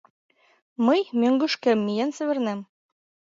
Мый мӧҥгышкем миен савырнем.